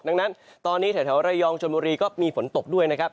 ดังนั้นตอนนี้แถวระยองชนบุรีก็มีฝนตกด้วยนะครับ